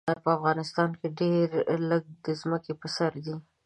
په افغانستان کې ډېر لږ د ځمکې په سر دي.